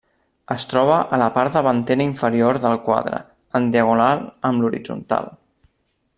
Es troba a la part davantera inferior del quadre, en diagonal amb l'horitzontal.